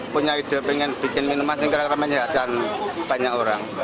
punya ide pengen bikin minuman sekarang rame rame ya banyak orang